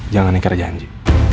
jangan ikat janji